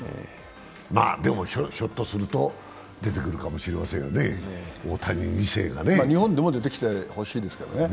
でも、ひょっとすると出てくるかもしれないですよね、日本でも出てきてほしいですけどね。